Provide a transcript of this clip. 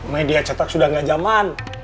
media cetak sudah gak zaman